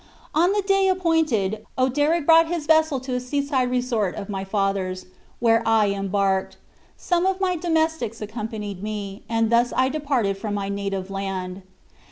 On the day appointed, Oderic brought his vessel to a seaside resort of my father's, where I embarked. Some of my domestics accompanied me, and thus I departed from my native land.